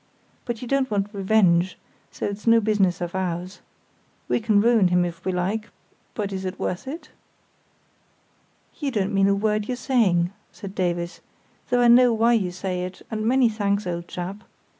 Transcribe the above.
But you don't want revenge, so it's no business of ours. We can ruin him if we like; but is it worth it?" "You don't mean a word you're saying," said Davies, "though I know why you say it; and many thanks, old chap.